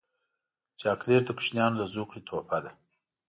چاکلېټ د کوچنیانو د زوکړې تحفه ده.